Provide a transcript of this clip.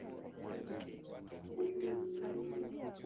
Kiwango cha maambukizi ya ugonjwa wa mapele ya ngozi katika kundi la mifugo